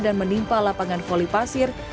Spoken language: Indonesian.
dan menimpa lapangan voli pasir